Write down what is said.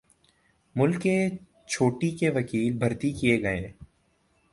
ملک کے چوٹی کے وکیل بھرتی کیے گئے۔